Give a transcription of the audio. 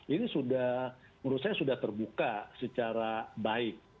ini sudah menurut saya sudah terbuka secara baik